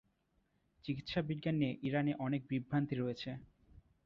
চিকিৎসা বিজ্ঞান নিয়ে ইরানে অনেক বিভ্রান্তি রয়েছে।